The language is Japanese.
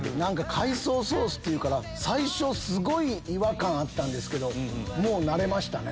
海藻ソースっていうから最初すごい違和感あったけどもう慣れましたね。